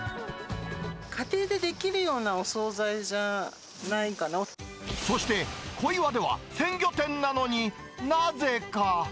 家庭でできるようなお総菜じそして、小岩では、鮮魚店なのに、なぜか。